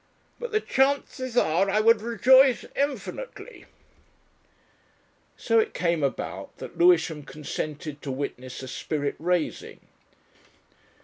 But the chances are ... I would rejoice infinitely ..." So it came about that Lewisham consented to witness a spirit raising.